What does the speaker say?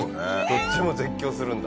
どっちも絶叫するんだ。